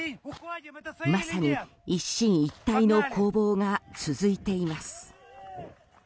まさに一進一退の攻防が続いています。